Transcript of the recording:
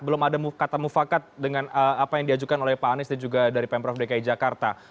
belum ada kata mufakat dengan apa yang diajukan oleh pak anies dan juga dari pemprov dki jakarta